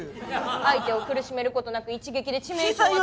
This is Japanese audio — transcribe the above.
相手を苦しめる事なく一撃で致命傷を与える。